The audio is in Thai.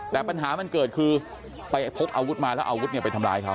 แต่ปัญหามันเกิดคือไปพกอาวุธมาแล้วอาวุธไปทำร้ายเขา